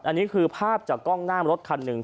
อันนี้คือภาพจากกล้องหน้ารถคันหนึ่ง